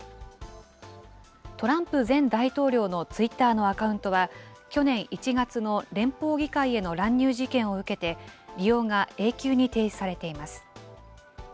トランプ前大統領のツイッターのアカウントは、去年１月の連邦議会への乱入事件を受けて、利用が永久に停止されています。